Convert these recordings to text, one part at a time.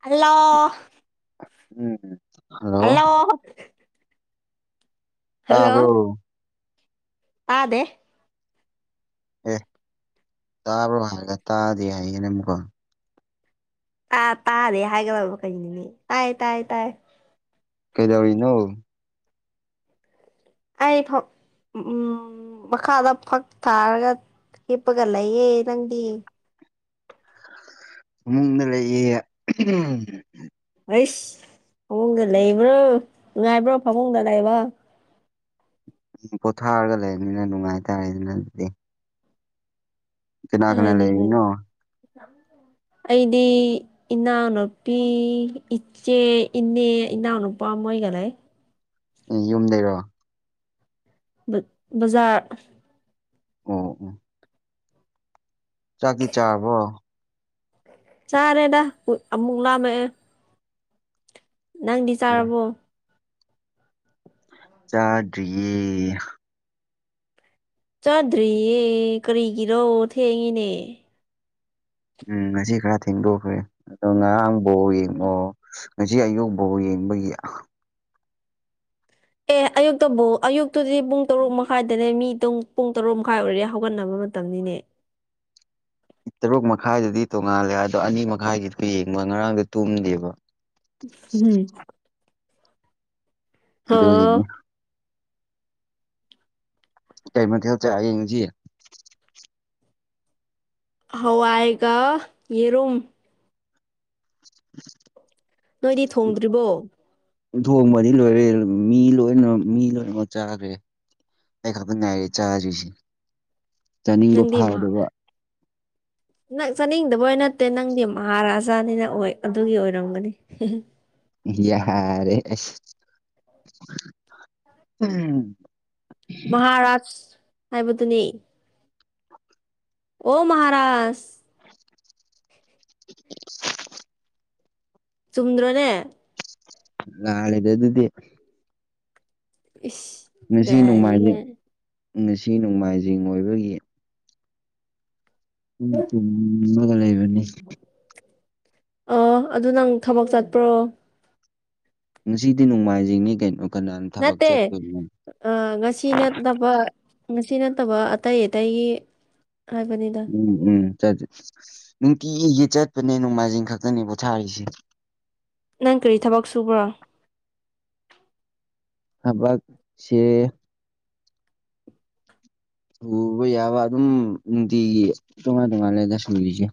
hello um hello ꯇꯕ ꯑꯗꯦ ꯑꯦ ꯇꯥꯕ꯭ꯔꯣ ꯍꯥꯏꯔꯒ ꯇꯥꯗꯤ ꯍꯥꯏꯌꯦꯅ ꯑꯃꯨꯛꯀꯣ ꯇꯥ ꯇꯥꯗꯦ ꯍꯥꯏꯒ ꯂꯕ ꯀꯅꯤꯅꯦ ꯇꯥꯏ ꯇꯥꯏ ꯇꯥꯏ ꯀꯩꯗꯕ ꯅ ꯑꯩ ꯐꯥꯎ ꯃꯈꯥꯗ ꯐꯛ ꯊꯥꯔꯒ ꯍꯤꯞꯄꯒ ꯂꯩꯌꯦ ꯅꯪꯗꯤ ꯏꯃꯨꯡꯗ ꯂꯩꯌꯦ ꯑꯩꯁ ꯐꯃꯨꯡꯗ ꯂꯩꯕ꯭ꯔꯣ ꯅꯨꯡꯉꯥꯏꯕ꯭ꯔꯣ ꯐꯃꯨꯡꯗ ꯂꯩꯕ ꯎꯝ ꯄꯣꯊꯥꯔꯒ ꯂꯩꯕꯅꯤꯅ ꯅꯨꯡꯉꯥꯏꯇꯥꯔꯦꯗꯅ ꯑꯗꯨꯗꯤ ꯀꯅꯥ ꯀꯅꯥ ꯍꯣꯏꯅꯦ ꯍꯣꯏ ꯂꯩꯔꯤꯅꯣ ꯑꯩꯗꯤ ꯏꯅꯥꯎꯅꯨꯄꯤ ꯏꯆꯦ ꯏꯅꯦ ꯏꯅꯥꯎꯅꯨꯄꯥ ꯃꯣꯏꯒ ꯂꯩ ꯑꯦ ꯌꯨꯝꯗꯔꯣ ꯕꯖꯥꯔ ꯑꯣ ꯑꯣ ꯆꯥꯛꯇꯤ ꯆꯔꯕꯣ ꯆꯥꯔꯦꯗ ꯑꯃꯨꯛ ꯂꯥꯝꯃꯛꯌꯦ ꯅꯪꯗꯤ ꯑꯦ ꯆꯥꯔꯕꯣ ꯆꯥꯗ꯭ꯔꯤꯌꯦ ꯆꯥꯗ꯭ꯔꯤꯌꯦ ꯀꯔꯤꯒꯤꯅꯣ ꯊꯦꯡꯉꯦꯅꯦ ꯎꯝ ꯉꯁꯤ ꯈꯔ ꯊꯦꯡꯗꯣꯛꯈ꯭ꯔꯦ ꯑꯗꯣ ꯉꯔꯥꯡ ꯕꯣꯜ ꯌꯦꯡꯕꯔꯣ ꯉꯁꯤ ꯑꯌꯨꯛ ꯕꯣꯜ ꯌꯦꯡꯕꯒꯤ ꯑꯦ ꯑꯌꯨꯛꯇꯕꯨ ꯑꯌꯨꯛꯇꯨꯗꯤ ꯄꯨꯡ ꯇꯔꯨꯛ ꯃꯈꯥꯏꯗꯅꯦ ꯃꯤ ꯇꯨꯝ ꯄꯨꯡ ꯇꯔꯨꯛ ꯃꯈꯥꯏ ꯑꯣꯏꯔꯦ ꯍꯧꯒꯠꯅꯕ ꯃꯇꯝꯅꯤꯅꯦ ꯇꯔꯨꯛ ꯃꯈꯥꯏꯗꯨꯗꯤ ꯇꯣꯡꯉꯥꯜꯂꯦ ꯑꯗꯣ ꯑꯅꯤ ꯃꯈꯥꯏꯒꯤꯗꯨ ꯌꯦꯡꯕ ꯉꯔꯥꯡꯗꯤ ꯇꯨꯝꯗꯦꯕ ꯎꯝ ꯑꯗꯨꯒꯤꯅꯤ ꯑꯣ ꯀꯔꯤ ꯃꯊꯦꯜ ꯆꯥꯔꯦ ꯉꯁꯤ ꯍꯋꯥꯏꯒ ꯌꯦꯔꯨꯝ [unintelligible] ꯅꯣꯏꯗꯤ ꯊꯣꯡꯗ꯭ꯔꯤꯕꯣ ꯊꯣꯡꯕꯗꯤ ꯂꯣꯏꯔꯦ ꯃꯤ ꯂꯣꯏꯅꯃꯛ ꯃꯤ ꯂꯣꯏꯅꯃꯛ ꯆꯥꯈ꯭ꯔꯦ ꯑꯩ ꯈꯛꯇ ꯉꯥꯏꯔꯦ ꯆꯥꯗ꯭ꯔꯤꯁꯦ ꯆꯥꯅꯤꯡꯕ ꯅꯪꯗꯤ ꯃꯍꯥ ꯐꯥꯎꯗꯕ ꯅꯪ ꯆꯥꯅꯤꯡꯗꯕꯩ ꯅꯠꯇꯦ ꯅꯪꯗꯤ ꯃꯍꯥꯔꯥꯖꯥꯅꯤꯅ ꯑꯣꯏ ꯑꯗꯨꯒꯤ ꯑꯣꯏꯔꯝꯒꯅꯤ ꯌꯥꯔꯦ ꯑꯁ ꯎꯝ ꯃꯍꯥꯔꯥꯥꯁ ꯍꯥꯏꯕꯗꯨꯗꯤ ꯑꯣ ꯃꯍꯥꯔꯥꯖ [unintelligible] ꯆꯨꯝꯗ꯭ꯔꯣꯅꯦ ꯂꯥꯜꯂꯦꯗ ꯑꯗꯨꯗꯤ ꯏꯁ ꯉꯁꯤ ꯂꯥꯏꯔꯤꯒ ꯅꯣꯡꯃꯥꯏꯖꯤꯡ ꯉꯁꯤ ꯅꯣꯡꯃꯥꯏꯖꯤꯡ ꯑꯣꯏꯕꯒꯤ ꯇꯨꯝꯃꯒ ꯂꯩꯕꯅꯤ ꯑꯣ ꯑꯗꯨ ꯅꯪ ꯊꯕꯛ ꯆꯠꯄ꯭ꯔꯣ ꯉꯁꯤꯗꯤ ꯅꯣꯡꯃꯥꯏꯖꯤꯡꯅꯤ ꯀꯩꯅꯣ ꯀꯅꯥ ꯊꯕꯛ ꯅꯠꯇꯦ ꯆꯠꯇꯧꯔꯤꯅꯣ ꯉꯁꯤ ꯅꯠꯇꯕ ꯉꯁꯤ ꯅꯠꯇꯕ ꯑꯇꯩ ꯑꯇꯩꯒꯤ ꯍꯥꯏꯕꯅꯤꯗ ꯎꯝ ꯎꯝ ꯆꯠ ꯅꯨꯡꯇꯤꯒꯤꯒꯤ ꯆꯠꯄꯅꯦ ꯅꯣꯡꯃꯥꯏꯖꯤꯡ ꯈꯛꯇꯅꯦ ꯄꯣꯊꯥꯔꯤꯁꯦ ꯅꯪ ꯀꯔꯤ ꯊꯕꯛ ꯁꯨꯕ꯭ꯔꯣ ꯊꯕꯛꯁꯦ ꯁꯨꯕ ꯌꯥꯕ ꯑꯗꯨꯝ ꯅꯨꯡꯇꯤꯒꯤ ꯇꯣꯉꯥꯟ ꯇꯣꯉꯥꯟꯜꯂꯒ ꯁꯨꯔꯤꯁꯦ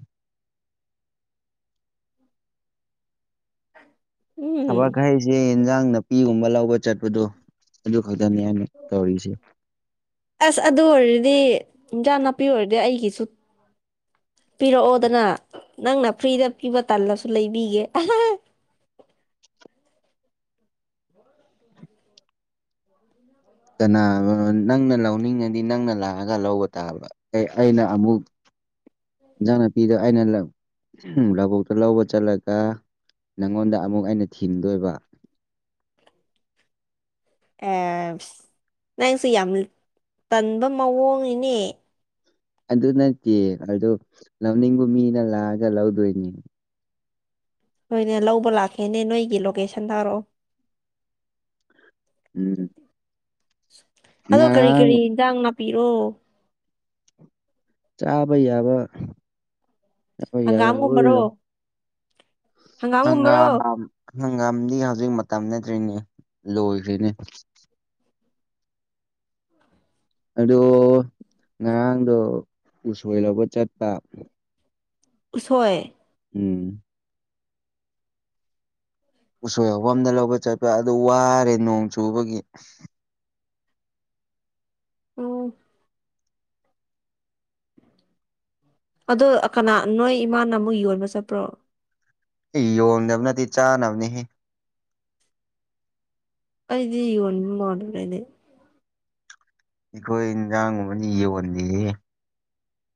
ꯎꯝ ꯊꯕꯛ ꯍꯥꯢꯁꯦ ꯏꯟꯖꯥꯡ ꯅꯥꯄꯤꯒꯨꯝꯕ ꯂꯧꯕ ꯆꯠꯄꯗꯣ ꯑꯗꯨ ꯈꯛꯇꯅꯦ ꯑꯩꯅ ꯇꯧꯔꯤꯁꯦ ꯑꯁ ꯑꯗꯨ ꯑꯣꯏꯔꯗꯤ ꯏꯟꯖꯥꯡ ꯅꯥꯄꯤ ꯑꯣꯏꯔꯗꯤ ꯑꯩꯒꯤꯁꯨ ꯄꯤꯔꯛꯑꯣꯗꯅ ꯅꯪꯅ ꯐ꯭ꯔꯤꯗ ꯄꯤꯕ ꯇꯜꯂꯁꯨ ꯂꯩꯕꯤꯒꯦ ꯎ [unintelligible] ꯀꯅꯥꯅꯣ ꯅꯪꯅ ꯂꯧꯅꯤꯡꯉꯗꯤ ꯅꯪꯅ ꯂꯥꯛꯑꯒ ꯂꯧꯕ ꯇꯥꯕ ꯑꯩꯅ ꯑꯃꯨꯛ ꯅꯪꯅꯄꯤꯗ ꯑꯩꯅ ꯂꯧꯕꯨꯛꯇ ꯂꯧꯕ ꯆꯠꯂꯒ ꯅꯉꯣꯟꯗ ꯑꯃꯨꯛ ꯑꯩꯅ ꯊꯤꯡꯗꯣꯏꯕ ꯅꯪꯁꯦ ꯌꯥꯝ ꯇꯟꯕ ꯃꯑꯣꯡꯅꯤꯅꯦ ꯑꯗꯨ ꯅꯠꯇꯦ ꯑꯗꯨ ꯂꯧꯅꯤꯡꯕ ꯃꯤꯅ ꯂꯥꯛꯑꯒ ꯂꯧꯗꯣꯏꯅꯤ ꯅꯣꯏꯅꯦ ꯂꯧꯕ ꯂꯥꯛꯀꯦꯅꯦ ꯅꯣꯏꯒꯤ ꯂꯣꯀꯦꯁꯟ ꯊꯥꯔꯛꯑꯣ ꯎꯝ ꯑꯗꯣ ꯀꯔꯤ ꯉꯔꯥꯡ ꯀꯔꯤ ꯌꯦꯟꯁꯥꯡ ꯅꯥꯄꯤꯔꯣ ꯆꯥꯕ ꯌꯥꯕ ꯆꯥꯕ ꯌꯥꯕ ꯍꯪꯒꯥꯝꯒꯨꯝꯕꯔꯣ ꯂꯣꯏꯅꯥ ꯍꯪꯒꯥꯝꯒꯨꯝꯕꯔꯣ ꯍꯪꯒꯥꯝ ꯍꯪꯒꯥꯝꯗꯤ ꯍꯧꯖꯤꯛ ꯃꯇꯝ ꯅꯠꯇ꯭ꯔꯤꯅꯦ ꯂꯣꯏꯈ꯭ꯔꯤꯅꯦ ꯑꯗꯣ ꯉꯔꯥꯡꯗꯣ ꯎꯁꯣꯏ ꯂꯧꯕ ꯆꯠꯄ ꯎꯁꯣꯏ ꯎꯝ ꯎꯁꯣꯏ ꯑꯄ ꯑꯃꯗ ꯂꯧꯕ ꯆꯠꯄ ꯑꯗꯨ ꯋꯥꯔꯦ ꯅꯣꯡ ꯆꯨꯕꯒꯤ ꯎꯝ ꯑꯗꯣ ꯀꯅꯥ ꯅꯣꯏ ꯏꯃꯥꯅ ꯑꯃꯨꯛ ꯌꯣꯟꯕ ꯆꯠꯄ꯭ꯔꯣ ꯌꯣꯟꯗꯕ ꯅꯠꯇꯦ ꯆꯥꯅꯕꯅꯤꯍꯦ ꯑꯩꯗꯤ ꯌꯣꯟꯕ ꯃꯥꯟꯂꯩꯗꯤ ꯑꯩꯈꯣꯏ ꯏꯟꯖꯥꯡꯒꯨꯝꯕꯗꯤ ꯌꯣꯟꯗꯦꯍꯦ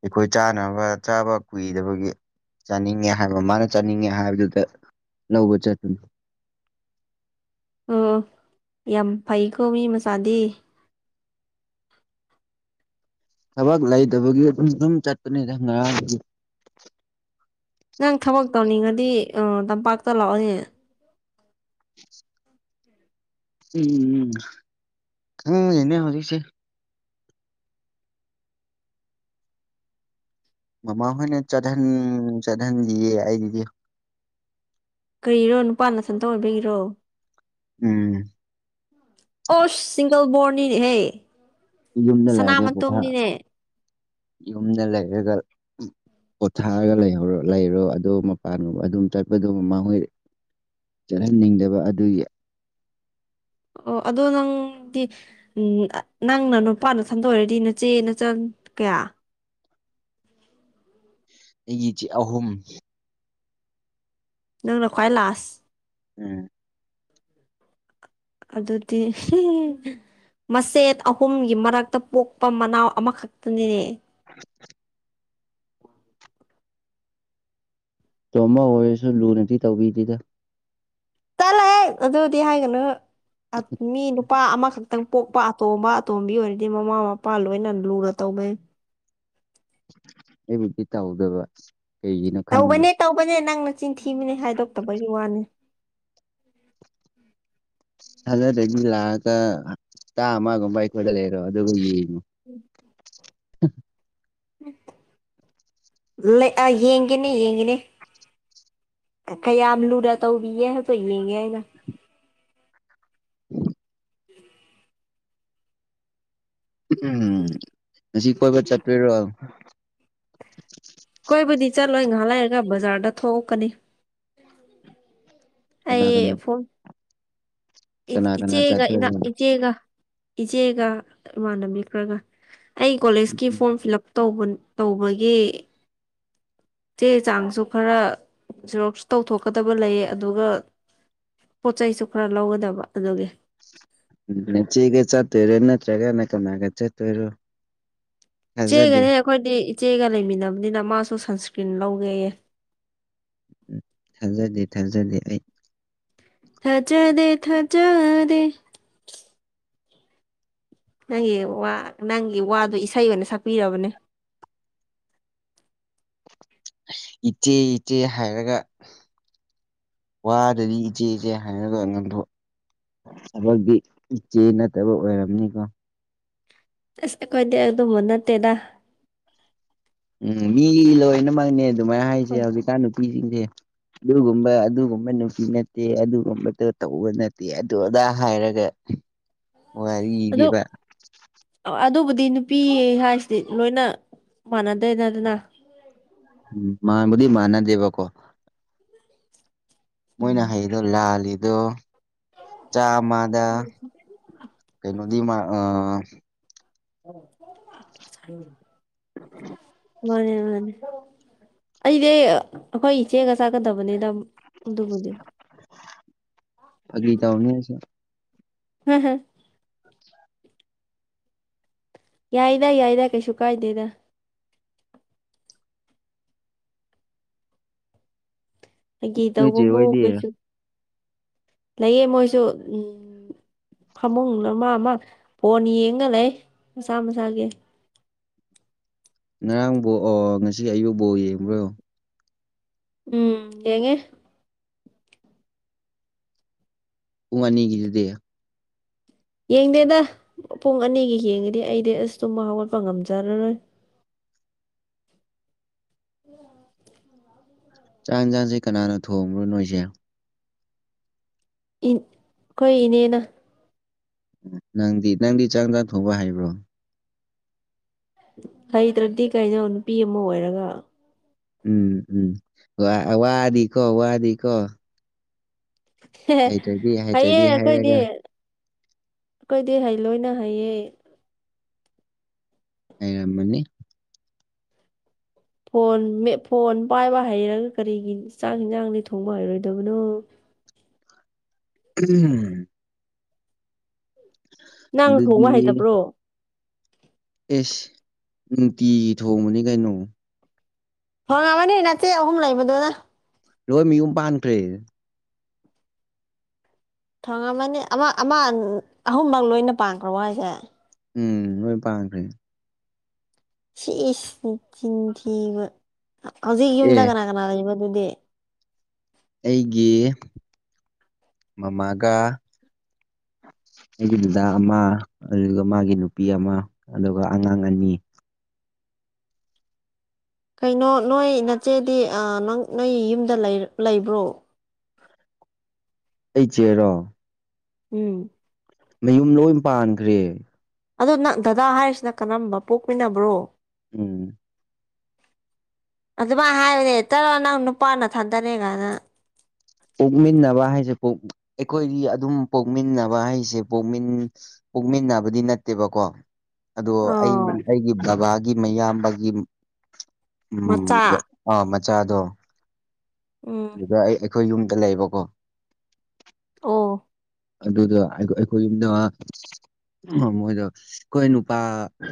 ꯑꯩꯈꯣꯏ ꯆꯥꯅꯕ ꯆꯥꯕ ꯀꯨꯏꯗꯕꯒꯤ ꯆꯥꯅꯤꯡꯉꯦ ꯍꯥꯏꯕ ꯃꯥꯅ ꯆꯥꯅꯤꯡꯉꯦ ꯍꯥꯏꯕꯗꯨꯗ ꯂꯧꯕ ꯆꯠꯇꯅꯦ ꯑꯣ ꯌꯥꯝ ꯐꯩꯀꯣ ꯃꯤ ꯃꯆꯥꯗꯤ ꯊꯕꯛ ꯂꯩꯇꯕꯒꯤ ꯑꯗꯨꯝ ꯑꯗꯨꯝ ꯆꯠꯄꯅꯦ ꯉꯔꯥꯡꯗꯒꯤ ꯅꯪ ꯊꯕꯛ ꯇꯧꯅꯤꯡꯉꯗꯤ ꯇꯝꯄꯥꯛꯇ ꯂꯥꯛꯑꯣꯅꯦ [unintelligible] ꯎꯝ ꯎꯝ ꯈꯪꯗꯦꯅꯦ ꯍꯧꯖꯤꯛꯁꯦ ꯃꯃꯥ ꯍꯣꯏꯅ ꯆꯠꯍꯟ ꯆꯠꯍꯟꯁꯤꯌꯦ ꯑꯩꯁꯤꯗꯤ ꯀꯔꯤꯔꯣ ꯅꯨꯄꯥꯅ ꯁꯝꯇ ꯑꯣꯏꯕꯒꯤꯔꯣ ꯎꯝ ꯑꯣꯁ ꯁꯤꯡꯒꯜ ꯕꯣꯔꯟꯅꯤꯅꯦꯍꯦ ꯌꯨꯝꯗ ꯁꯅꯥ ꯂꯩꯔꯒ ꯄꯣꯊꯥ ꯃꯇꯨꯝꯅꯤꯅꯦ ꯌꯨꯝꯗ ꯂꯩꯔꯒ ꯄꯣꯊꯥꯔꯒ ꯂꯩꯍꯧꯔ ꯂꯩꯔꯣ ꯑꯗꯨ ꯃꯄꯥꯟꯒꯕ ꯑꯗꯨꯝ ꯆꯠꯄꯗꯨ ꯃꯥꯡꯍꯣꯏꯔꯦ ꯆꯠꯍꯟꯅꯤꯡꯗꯕ ꯑꯗꯨꯒꯤ ꯑꯣ ꯑꯗꯣ ꯅꯪꯗꯤ ꯎ ꯅꯪꯅ ꯅꯨꯄꯥ ꯅꯊꯟꯗ ꯑꯣꯏꯔꯗꯤ ꯅꯆꯦ ꯅꯆꯟ ꯀꯌꯥ ꯑꯩꯒꯤ ꯏꯆꯦ ꯑꯍꯨꯝ ꯅꯪꯅ ꯈ꯭ꯋꯥꯏ ꯂꯥꯁ ꯎꯝ ꯑꯗꯨꯗꯤ ꯃꯆꯦꯠ ꯑꯍꯨꯝꯒꯤ ꯃꯔꯛꯇ ꯄꯣꯛꯄ ꯃꯅꯥꯎ ꯑꯃꯈꯛꯇꯅꯤꯅꯦ [unintelligible] ꯅꯇꯣꯝꯕ ꯑꯣꯏꯔꯁꯨ ꯂꯨꯅꯗꯤ ꯇꯧꯕꯤꯗꯦꯗ ꯇꯂꯑꯦ ꯑꯗꯨꯗꯤ ꯍꯥꯏꯒꯅꯨ ꯃꯤ ꯅꯨꯄꯥ ꯑꯃꯈꯛ ꯑꯃꯇꯪ ꯄꯣꯛꯄ ꯑꯇꯣꯝꯕ ꯑꯇꯣꯝꯕꯤ ꯑꯣꯏꯔꯗꯤ ꯃꯃꯥ ꯃꯄꯥ ꯂꯣꯏꯅ ꯂꯨꯅ ꯇꯧꯅꯩ ꯑꯩꯕꯨꯗꯤ ꯇꯥꯎꯗꯕ ꯀꯩꯒꯤꯅꯣ ꯈꯪꯗꯦ ꯇꯧꯕꯅꯦ ꯇꯧꯕꯅꯦ ꯅꯪꯅ ꯆꯤꯟꯊꯤꯃꯤꯅꯦ ꯍꯥꯏꯗꯣꯛꯇꯕꯒꯤ ꯋꯥꯅꯦ ꯊꯖꯗꯔꯥꯗꯝ ꯂꯥꯛꯑꯒ ꯍꯞꯇꯥ ꯑꯃꯒꯨꯝꯕ ꯑꯩꯈꯣꯏꯗ ꯂꯩꯔꯣ ꯑꯗꯨꯒ ꯌꯦꯡꯉꯣ [unintelligible] ꯂꯦꯛꯑ ꯌꯦꯡꯒꯦꯅꯦ ꯌꯦꯡꯒꯦꯅꯦ ꯀꯌꯥꯝ ꯂꯨꯔ ꯇꯧꯕꯤꯒꯦ ꯍꯥꯢꯕꯗꯣ ꯌꯦꯡꯒꯦ ꯑꯩꯅ [unintelligible] ꯎꯝ ꯉꯁꯤ ꯀꯣꯏꯕ ꯆꯠꯇꯣꯏꯔꯣ ꯀꯣꯏꯕꯨꯗꯤ ꯆꯠꯂꯣꯏ ꯉꯥꯏꯍ ꯂꯩꯔꯒ ꯕꯖꯥꯔꯗ ꯊꯣꯛꯂꯛꯀꯅꯤ ꯀꯅꯥ ꯀꯅꯥ ꯑꯩ ꯐꯣꯟꯣꯟ ꯏ ꯀꯅꯥ ꯀꯅꯥ ꯏꯆꯦꯒ ꯏ ꯆꯠꯇꯣꯏꯔꯣ ꯏꯆꯦꯒ ꯏꯆꯦꯒ ꯏꯃꯥꯟꯅꯕꯤ ꯈꯔꯒ ꯑꯩ ꯀꯣꯂꯦꯖꯀꯤ ꯐꯣꯔꯝ ꯐꯤꯜ ꯑꯞ ꯇꯧꯕꯒꯤ ꯆꯦ ꯆꯥꯡꯁꯨ ꯈꯔ ꯁꯦꯔꯣꯛꯞꯁꯨ ꯇꯧꯊꯣꯛꯀꯗꯕ ꯂꯩ ꯑꯗꯨꯒ ꯄꯣꯠ ꯆꯩꯁꯨ ꯈꯔ ꯂꯧꯒꯗꯕ ꯑꯗꯨꯒꯤ ꯎꯝ ꯅꯆꯦꯒ ꯆꯠꯇꯣꯏꯔ ꯅꯠꯇ꯭ꯔꯒ ꯀꯅꯥꯒ ꯆꯠꯇꯣꯏꯔꯣ ꯊꯥꯖꯗꯦ ꯏꯆꯦꯒꯅꯦ ꯑꯩꯈꯣꯏꯗꯤ ꯏꯆꯦꯒ ꯂꯩꯃꯤꯟꯅꯕꯅꯤꯅ ꯃꯥꯁꯨ ꯁꯟꯁꯀ꯭ꯔꯤꯟ ꯂꯧꯒꯦꯌꯦ ꯊꯥꯖꯗꯦ ꯊꯥꯖꯗꯦ ꯑꯩ ꯊꯖꯥꯗꯦ ꯊꯖꯥꯗꯦ ꯅꯪꯒꯤ ꯋꯥ ꯅꯪꯒꯤ ꯋꯥꯗꯨ ꯏꯁꯩ ꯑꯣꯏꯅ ꯁꯛꯄꯤꯔꯕꯅꯦ ꯏꯆꯦ ꯏꯆꯦ ꯍꯥꯏꯔꯒ ꯋꯥꯗꯗꯤ ꯏꯆꯦ ꯏꯆꯦ ꯍꯥꯏꯔꯒ ꯉꯥꯡꯊꯣꯛ ꯊꯕꯗꯤ ꯏꯆꯦ ꯅꯠꯇꯕ ꯑꯣꯏꯔꯝꯅꯤꯀꯣ ꯑꯁ ꯑꯩꯈꯣꯏꯗꯤ ꯑꯗꯨꯝꯕ ꯅꯠꯇꯦꯗ ꯎꯝ ꯃꯤ ꯂꯣꯏꯅꯃꯛꯅꯦ ꯑꯗꯨꯃꯥꯏꯅ ꯍꯥꯏꯁꯦ ꯍꯣꯏ ꯍꯧꯖꯤꯛꯀꯥꯟ ꯅꯨꯄꯤꯁꯤꯡꯁꯦ ꯑꯗꯨꯒꯨꯝꯕ ꯑꯗꯨꯒꯨꯝꯕ ꯅꯨꯄꯤ ꯅꯠꯇꯦ ꯑꯗꯨꯒꯨꯝꯕꯗꯣ ꯇꯧꯕ ꯅꯠꯇꯦ ꯑꯗꯨ ꯑꯗꯥ ꯍꯥꯏꯔꯒ [inaudible] ꯑꯗꯣ ꯋꯥꯔꯤꯗꯤꯕ ꯑꯗꯨꯕꯨꯗꯤ ꯅꯨꯄꯤ ꯍꯥꯏꯁꯤꯗꯤ ꯂꯣꯏꯅ ꯃꯥꯟꯅꯗꯦꯗꯗꯅ ꯃꯥꯕꯨꯗꯤ ꯃꯅꯥꯗꯦꯕ ꯀꯣ ꯃꯣꯏꯅ ꯍꯩꯗꯣ ꯂꯥꯜꯂꯤꯗꯣ ꯆꯥꯃꯗ ꯀꯩꯅꯣꯗꯤ ꯃꯥ ꯑ ꯃꯅꯤ ꯃꯅꯤ ꯑꯩꯗꯤ ꯑꯩꯈꯣꯏ ꯏꯆꯦꯒ ꯆꯥꯛꯀꯗꯕꯅꯤꯗ ꯑꯗꯨꯕꯨꯗꯤ ꯐꯥꯒꯤ ꯇꯥꯎꯅꯤꯗ ꯁꯨꯝ [unintelligible] ꯌꯥꯏꯗ ꯌꯥꯏꯗ ꯀꯩꯁꯨ ꯀꯥꯏꯗꯦꯗ ꯑꯩꯒꯤ ꯅꯣꯏ ꯆꯦ ꯇꯧꯕꯕꯨ ꯍꯣꯏꯗꯤ ꯀꯩꯁꯨ ꯂꯩꯌꯦ ꯃꯣꯏꯁꯨ ꯎꯝ ꯐꯃꯨꯡ ꯑꯃ ꯑꯃ ꯐꯣꯟ ꯌꯦꯡꯉ ꯂꯩ ꯃꯁꯥ ꯃꯁꯥꯒꯤ ꯉꯔꯥꯡꯕ ꯕꯣ ꯉꯁꯤ ꯑꯌꯨꯛ ꯕꯣꯜ ꯌꯦꯡꯕꯔꯣ ꯎꯝ ꯌꯦꯉꯦ ꯄꯨꯡ ꯑꯅꯤꯒꯤꯗꯨꯗꯤ ꯌꯦꯡꯗꯦꯗ ꯄꯨꯡ ꯑꯅꯤꯒꯤ ꯌꯦꯡꯉꯗꯤ ꯑꯩꯗꯤ ꯑꯁ ꯇꯨꯝꯕ ꯍꯧꯒꯠꯄ ꯉꯝꯖꯔꯔꯣꯏ [inaudible] ꯆꯥꯛ ꯌꯦꯟꯖꯥꯡꯁꯦ ꯀꯅꯥꯅ ꯊꯣꯡꯕ꯭ꯔꯣ ꯅꯣꯏꯁꯦ ꯏꯟ ꯑꯩꯈꯣꯏ ꯏꯅꯦꯅ ꯅꯪꯗꯤ ꯅꯪꯗꯤ ꯆꯥꯛ ꯏꯟꯆꯥꯡ ꯊꯣꯡꯕ ꯍꯩꯕ꯭ꯔꯣ ꯍꯩꯇ꯭ꯔꯗꯤ ꯀꯩꯅꯣ ꯅꯨꯄꯤ ꯑꯃ ꯑꯣꯏꯔꯒ ꯎꯝ ꯎꯝ ꯋꯥ ꯋꯥꯅꯤ ꯀꯣ ꯋꯥꯅꯤ ꯀꯣ ꯍꯩꯌꯦ ꯍꯩꯇ꯭ꯔꯗꯤ ꯑꯩꯈꯣꯏꯗꯤ ꯍꯥꯏꯔꯒ ꯑꯩꯈꯣꯏꯗꯤ ꯍꯩ ꯂꯣꯏꯅ ꯍꯩꯌꯦ ꯍꯩꯔꯝꯃꯅꯤ ꯐꯣꯟ ꯃꯦꯠ ꯐꯣꯟ ꯄꯥꯏꯕ ꯍꯩꯔꯒ ꯀꯔꯤꯒꯤ ꯆꯥꯛ ꯏꯟꯁꯥꯡꯗꯤ ꯊꯣꯡꯕ ꯍꯩꯔꯣꯏꯗꯕꯅꯣ ꯎꯝ ꯅꯪ ꯊꯣꯡꯕ ꯍꯩꯇꯕ꯭ꯔꯣ ꯏꯁ ꯅꯨꯡꯇꯤꯒꯤ ꯊꯣꯡꯕꯅꯤ ꯀꯩꯅꯣ ꯊꯣꯡꯉꯝꯃꯅꯤ ꯅꯆꯦ ꯑꯍꯨꯝ ꯂꯩꯕꯗꯨꯅ ꯂꯣꯏ ꯃꯤ ꯌꯨꯝ ꯄꯥꯟꯈ꯭ꯔꯦ ꯊꯣꯡꯉꯝꯃꯅꯤ ꯑꯃ ꯑꯃ ꯑꯍꯨꯝꯃꯛ ꯂꯣꯏꯅ ꯄꯥꯡꯈ꯭ꯔꯕꯣ ꯍꯥꯏꯁꯦ ꯎꯝ ꯂꯣꯏ ꯄꯥꯟꯈ꯭ꯔꯦ ꯁꯤꯁ ꯅꯆꯤꯟ ꯊꯤꯕ ꯍꯧꯖꯤꯛ ꯌꯨꯝꯗ ꯑꯦ ꯀꯅꯥ ꯀꯅꯥ ꯂꯩꯕ ꯑꯗꯨꯗꯤ ꯑꯩꯒꯤ ꯃꯃꯥꯒ ꯑꯩꯒꯤ ꯗꯥꯗꯥ ꯑꯃ ꯑꯗꯨꯒ ꯃꯥꯒꯤ ꯅꯨꯄꯤ ꯑꯃ ꯑꯗꯨꯒ ꯑꯉꯥꯡ ꯑꯅꯤ ꯀꯩꯅꯣ ꯅꯣꯏ ꯅꯆꯦꯗꯤ ꯑ ꯅꯪ ꯅꯣꯏ ꯌꯨꯝꯗ ꯂꯩ ꯂꯩꯕ꯭ꯔꯣ ꯑꯩ ꯆꯦꯔꯣ ꯎꯝ ꯃꯌꯨꯝ ꯂꯣꯏ ꯄꯥꯟꯈ꯭ꯔꯦ ꯑꯗꯣ ꯅꯪ ꯗꯗꯥ ꯍꯥꯏꯔꯤꯁꯤꯅ ꯀꯔꯝꯕ ꯄꯣꯛꯃꯤꯟꯅꯕ꯭ꯔꯣ ꯎꯝ ꯑꯗꯨꯃꯥꯏꯅ ꯍꯥꯏꯕꯅꯦ ꯍꯦꯛꯇ ꯅꯪ ꯅꯨꯄꯥ ꯅꯊꯥꯗꯔ ꯀꯥꯏꯅ ꯄꯣꯛꯃꯤꯟꯅꯕ ꯍꯥꯏꯁꯦ ꯑꯩꯈꯣꯏꯗꯤ ꯑꯗꯨꯝ ꯄꯣꯛꯃꯤꯟꯅꯕ ꯍꯥꯏꯁꯦ ꯄꯣꯛꯃꯤꯟ ꯄꯣꯛꯃꯤꯟꯅꯕꯗꯤ ꯅꯠꯇꯦꯕꯀꯣ ꯑꯗꯣ ꯑꯩ ꯑꯣ ꯑꯩꯒꯤ ꯕꯕꯥꯒꯤ ꯃꯌꯥꯝꯕꯒꯤ ꯎ ꯃꯆꯥ ꯑꯥ ꯃꯆꯥꯗꯣ ꯎꯝ ꯑꯗꯨꯗ ꯑꯩ ꯑꯩꯈꯣꯏ ꯌꯨꯝꯗ ꯂꯩꯌꯦꯕꯀꯣ ꯑꯣ ꯑꯗꯨꯗ ꯑꯩꯈꯣꯏꯅ ꯃꯣꯏꯗ ꯑꯩꯈꯣꯏ ꯅꯨꯄꯥ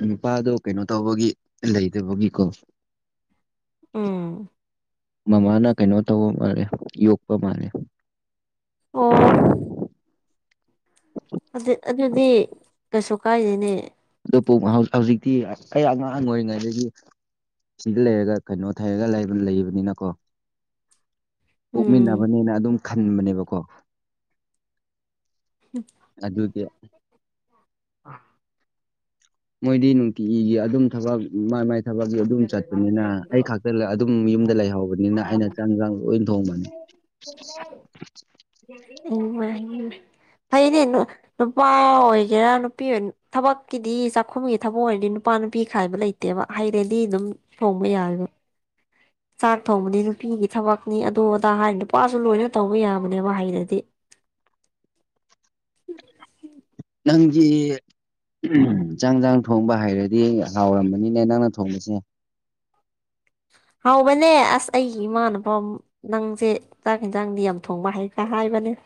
ꯅꯨꯄꯥꯗꯣ ꯀꯩꯅꯣ ꯇꯧꯕꯒꯤ ꯂꯩꯇꯕꯒꯤꯀꯣ ꯎꯝ ꯃꯃꯥꯅ ꯀꯩꯅꯣ ꯇꯧꯕ ꯃꯥꯜꯂꯦ ꯌꯣꯛꯄ ꯃꯥꯜꯂꯦ ꯑꯣ ꯑꯗꯨꯗꯤ ꯀꯩꯁꯨ ꯀꯥꯏꯗꯅꯦ ꯑꯗꯨꯕꯨ ꯍꯧꯖꯤꯛꯇꯤ ꯑꯩ ꯑꯉꯥꯡ ꯑꯣꯏꯔꯤꯉꯩꯗꯒꯤ ꯁꯤꯗ ꯂꯩꯔꯒ ꯀꯩꯅꯣ ꯊꯩꯔꯒ ꯂꯩꯕꯅꯤꯅꯀꯣ ꯎꯝ ꯄꫭꯛꯃꯤꯟꯅꯕꯅꯦꯅ ꯑꯗꯨꯝ ꯈꯟꯕꯅꯦꯕꯀꯣ ꯎꯝ ꯑꯗꯨ ꯑꯗꯨꯗꯤ ꯃꯣꯏꯗꯤ ꯅꯨꯡꯇꯤꯒꯤꯒꯤ ꯑꯗꯨꯝ ꯊꯕꯛ ꯃꯥꯏ ꯃꯥꯏ ꯊꯕꯛꯀꯤ ꯑꯗꯨꯝ ꯆꯠꯄꯅꯤꯅ ꯑꯩ ꯈꯛꯇ ꯑꯗꯨꯝ ꯌꯨꯝꯗ ꯂꯩꯍꯧꯕꯅꯤꯅ ꯑꯩꯅ ꯆꯥꯛ ꯏꯟꯁꯥꯡ ꯂꯣꯏ ꯊꯣꯡꯕꯅꯤ [unintelligible] [unintelligible] ꯎ ꯐꯩꯅꯦ ꯅꯨꯄꯥ ꯑꯣꯏꯒꯦꯔꯥ ꯅꯨꯄꯤ ꯊꯕꯛꯀꯤꯗꯤ ꯆꯥꯛꯈꯨꯝꯒꯤ ꯊꯕꯛ ꯑꯣꯏꯔꯗꯤ ꯅꯨꯄꯥ ꯅꯨꯄꯤ ꯈꯥꯏꯕ ꯂꯩꯇꯦ ꯂꯩꯇꯦꯕ ꯍꯩꯔꯗꯤ ꯑꯗꯨꯝ ꯊꫭꯡꯕ ꯌꯥꯔ ꯆꯥꯛ ꯊꯣꯡꯕꯗꯤ ꯅꯨꯄꯤꯒꯤ ꯊꯕꯛꯅꯤ ꯑꯗꯨ ꯑꯗꯥ ꯍꯥꯏꯗꯤ ꯅꯨꯄꯥꯁꯨ ꯂꯣꯏꯅ ꯇꯧꯕ ꯌꯥꯕꯌꯦꯕ ꯍꯩꯩꯔꯗꯤ ꯅꯪꯒꯤ ꯅꯪꯗꯤ ꯆꯥꯛ ꯏꯟꯁꯥꯡ ꯊꯣꯡꯕ ꯍꯩꯔꯗꯤ ꯍꯥꯎꯔꯝꯕꯅꯤꯅꯦ ꯅꯪꯅ ꯊꯣꯡꯕꯁꯦ ꯍꯥꯎꯕꯅꯦ ꯑꯁ ꯑꯩꯒꯤ ꯏꯃꯥꯅ ꯀꫭ ꯅꯪꯁꯦ ꯆꯥꯛ ꯏꯟꯁꯥꯡꯗꯤ ꯌꯥꯝ ꯊꯣꯡꯕ ꯍꯥꯌꯦ ꯀ ꯍꯥꯏꯕꯅꯦ